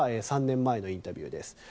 ３年前のインタビューです。